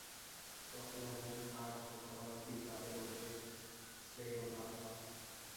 তখন এমন কর্ম করা উচিত, যাতে লোকের শ্রেয়োলাভ হয়।